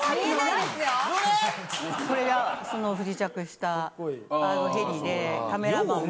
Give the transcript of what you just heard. これが不時着したヘリでカメラマンも。